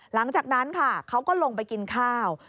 หลังจากนั้นค่ะเขาก็ลงไปกินข้าว